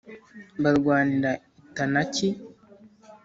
Barwanira i Tanaki